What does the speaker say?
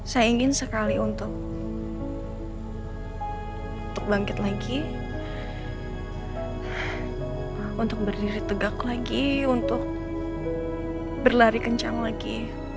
saya ingin sekali untuk bangkit lagi untuk berdiri tegak lagi untuk berlari kencang lagi